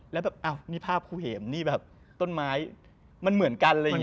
แล้วแบบอ้าวนี่ภาพคู่เห็มนี่แบบต้นไม้มันเหมือนกันอะไรอย่างนี้